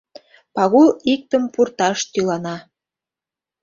— Пагул иктым пурташ тӱлана!